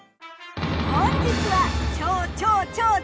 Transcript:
本日は。